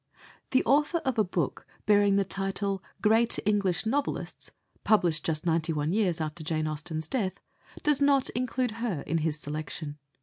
The author of a book bearing the title Great English Novelists, published just ninety one years after Jane Austen's death, does not include her in his selection.